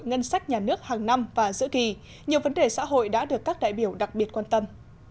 ngân sách nhà nước hàng năm và giữa kỳ nhiều vấn đề xã hội đã được các đại biểu đặc biệt quan tâm